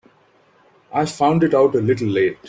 I found it out a little late.